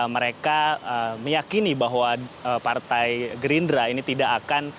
mereka meyakini bahwa partai gerindra ini tidak akan